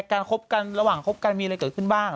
คบกันระหว่างคบกันมีอะไรเกิดขึ้นบ้าง